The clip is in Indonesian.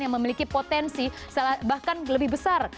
yang memiliki potensi bahkan lebih besar